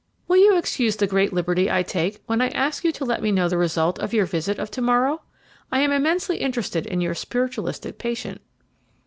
"Will you excuse the great liberty I take when I ask you to let me know the result of your visit of to morrow? I am immensely interested in your spiritualist patient."